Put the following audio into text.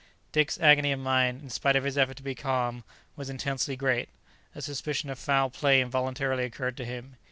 Dick's agony of mind, in spite of his effort to be calm, was intensely great. A suspicion of foul play involuntarily occurred to him.